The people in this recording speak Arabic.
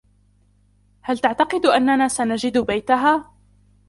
هل تعتقد أننا سنجد بيتها؟